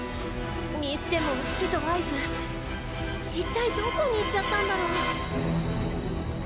にしてもシキとワイズ一体どこに行っちゃったんだろう？